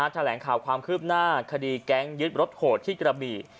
แถลงข่าวความคืบหน้าคดีแก๊งยึดรถโหดที่กระบี่